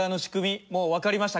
もう分かりましたか？